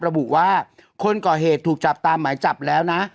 ระบุว่าคนก่อเหตุถูกจับตามหมายจับแล้วนะ